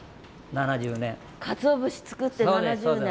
かつお節作って７０年。